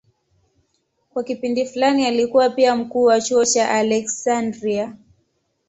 Kwa kipindi fulani alikuwa pia mkuu wa chuo cha Aleksandria.